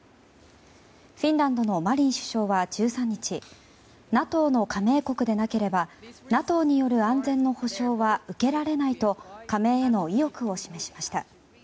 フィンランドのマリン首相は１３日ＮＡＴＯの加盟国でなければＮＡＴＯによる安全の保証は受けられないと加盟への意欲を示しました。